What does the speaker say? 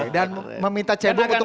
dan meminta cebong untuk